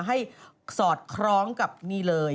สอดคล้องกับนี่เลย